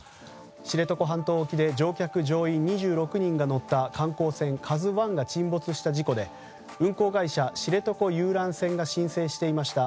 知床半島沖で乗客・乗員２６人が乗った観光船「ＫＡＺＵ１」が沈没した事故で運航会社、知床遊覧船が申請していました